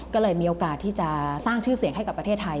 ก็เลยมีโอกาสที่จะสร้างชื่อเสียงให้กับประเทศไทย